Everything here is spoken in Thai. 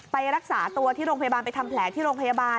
ไปรักษาตัวที่โรงพยาบาลไปทำแผลที่โรงพยาบาล